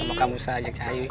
semua kamu saja cahayu